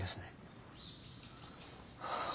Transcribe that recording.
はあ。